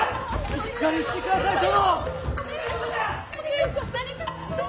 しっかりしてくだされ殿！